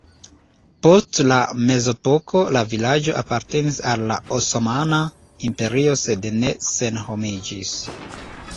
Post la mezepoko la vilaĝo apartenis al la Osmana Imperio sed ne senhomiĝis.